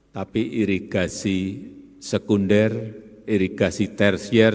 tapi irigasi sekunder irigasi tersier